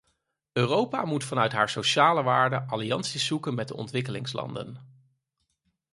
Europa moet vanuit haar sociale waarden allianties zoeken met de ontwikkelingslanden.